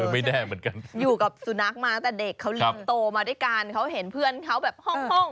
ไม่แน่เหมือนกันอยู่กับสุนัขมาตั้งแต่เด็กเขาเลี้ยงโตมาด้วยกันเขาเห็นเพื่อนเขาแบบห้อง